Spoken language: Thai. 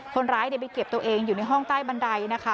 คนร้ายไปเก็บตัวเองอยู่ในห้องใต้บันไดนะคะ